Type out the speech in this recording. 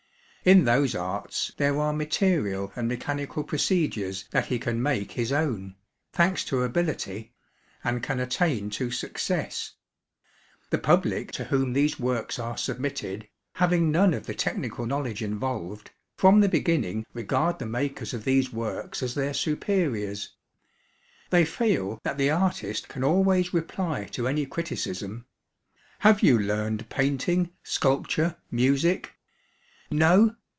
In those arts there are material and mechanical procedures that he can make his own, thanks to ability, and can attain to success. The public to whom these works are submitted, having none of the technical knowledge involved, from the beginning regard the makers of these works as their superiors: They feel that the artist can always reply to any criticism: "Have you learned painting, sculpture, music? No?